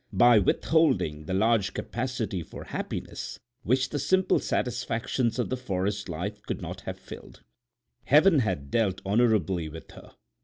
By withholding the large capacity for happiness which the simple satisfactions of the forest life could not have filled, Heaven had dealt honorably with her.